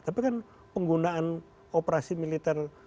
tapi kan penggunaan operasi militer